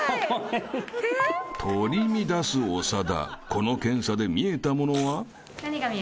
［この検査で見えたものは？］